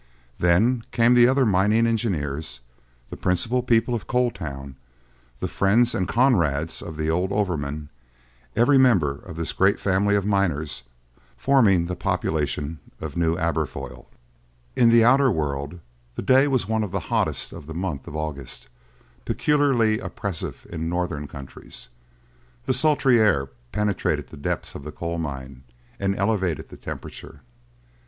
Then came the other mining engineers, the principal people of Coal Town, the friends and comrades of the old overman—every member of this great family of miners forming the population of New Aberfoyle. In the outer world, the day was one of the hottest of the month of August, peculiarly oppressive in northern countries. The sultry air penetrated the depths of the coal mine, and elevated the temperature.